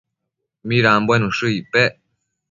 midanbuen ushë icpec?